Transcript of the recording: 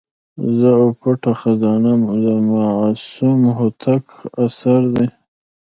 زه او پټه خزانه د معصوم هوتک اثر دی.